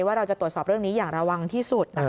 ว่าเราจะตรวจสอบเรื่องนี้อย่างระวังที่สุดนะคะ